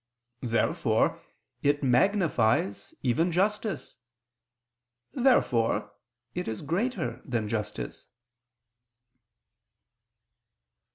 Therefore it magnifies even justice. Therefore it is greater than justice.